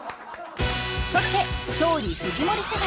［そして勝利・藤森世代］